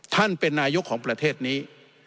ท่านเป็นนายกของประเทศนี้